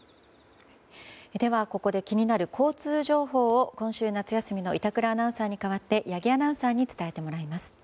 では、ここで気になる交通情報を今週、夏休みの板倉アナウンサーに代わって八木アナウンサーに伝えてもらいます。